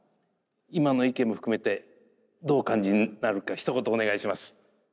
今の意見も含めてどうお感じになるかひと言お願いします。